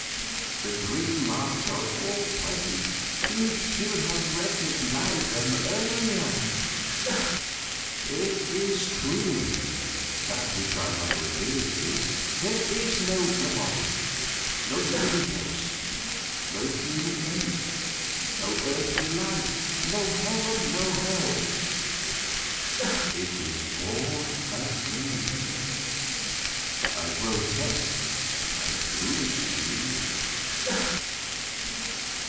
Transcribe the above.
The dream marks are all present; you should have recognized them earlier. "It is true, that which I have revealed to you: there is no God, no universe, no human race, no earthly life, no heaven, no hell. It is all a dream a grotesque and foolish dream.